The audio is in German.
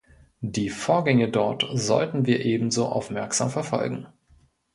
Die Vorgänge dort sollten wir ebenso aufmerksam verfolgen.